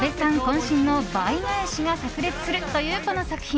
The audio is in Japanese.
渾身の倍返しが炸裂するという、この作品。